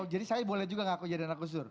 saya boleh juga ngaku jadi anak gus dur